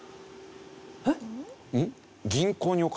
えっ？